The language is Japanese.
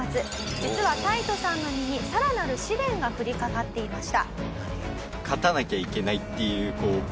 実はタイトさんの身にさらなる試練が降りかかっていました。